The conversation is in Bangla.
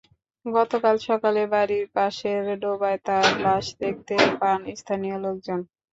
গতকাল সকালে বাড়ির পাশের ডোবায় তাঁর লাশ দেখতে পান স্থানীয় লোকজন।